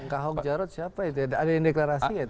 ke ahok jarot siapa itu ada yang deklarasi